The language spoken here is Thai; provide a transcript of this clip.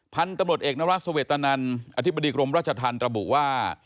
พันธุ์ตำรวจเอกนรัฐสเวตนันอธิบดีกรมราชธรรมระบุว่า